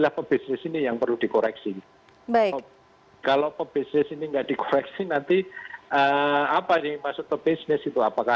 apa yang dimaksud pebisnis itu apakah